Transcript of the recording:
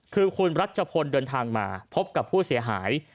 คือคุณรัชพลเดินทางมาพบกับผู้เสียหาย